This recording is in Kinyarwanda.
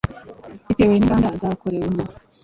bitewe n’inganda zakorewemo,